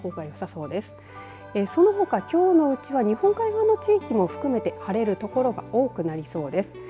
そのほか、きょうのうちは日本海側の地域も含めて晴れる所が多くなりそうです。